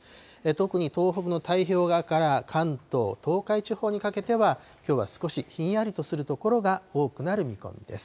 特に東北の太平洋側から関東、東海地方にかけては、きょうは少しひんやりとする所が多くなる見込みです。